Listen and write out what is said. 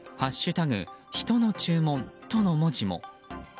「＃人の注文」との文字も。